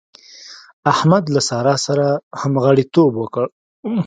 احمد له سارا سره همغاړيتوب وکړ.